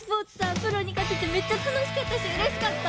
プロにかててめっちゃたのしかったしうれしかった。